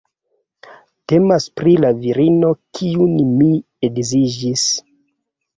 Temas pri la virino kiun mi edziĝis